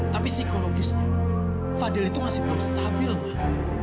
tapi psikologisnya fadil itu masih belum stabil mah